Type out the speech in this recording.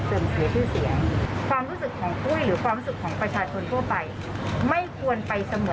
ตอนนี้รับคำขอโทษเป็นเครื่องช่วยหายใจไฮโฟล์เท่านั้นค่ะ